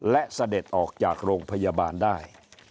และเสด็จออกจากโรงพยาบาลได้